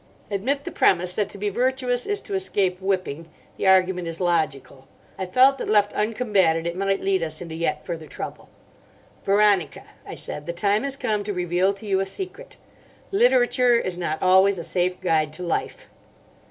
Admit the premise that to be virtuous is to escape whipping, the argument is logical. I felt that left uncombated it might lead us into yet further trouble. "Veronica," I said, "the time has come to reveal to you a secret: literature is not always a safe guide to life."